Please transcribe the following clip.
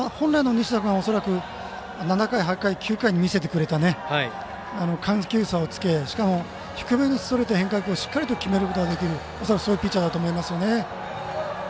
ただ、本来の西田君は恐らく７回、８回、９回で見せてくれた緩急差をつけて、しかも低めにストレートと変化球をしっかりと決めることができる恐らくそういうピッチャーだと思います。